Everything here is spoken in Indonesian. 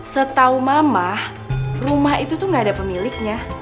setau mama rumah itu tuh gak ada pemiliknya